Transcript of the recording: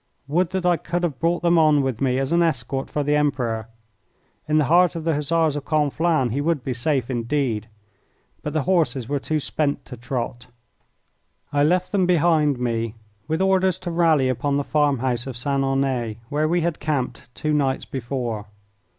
Would that I could have brought them on with me as an escort for the Emperor! In the heart of the Hussars of Conflans he would be safe indeed. But the horses were too spent to trot. I left them behind me with orders to rally upon the farm house of St. Aunay, where we had camped two nights before.